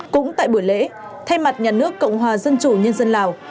cũng tại buổi lễ thay mặt nhà nước cộng hòa dân chủ nhân dân lào